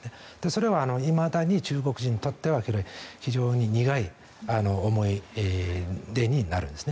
それはいまだに中国人にとっては非常に苦い思い出になるんです。